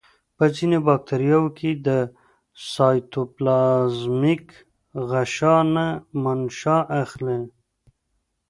په ځینو باکتریاوو کې د سایتوپلازمیک غشا نه منشأ اخلي.